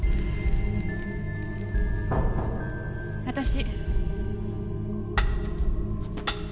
私。